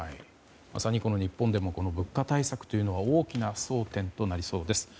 まさに日本でも物価対策というのは大きな争点となりそうです。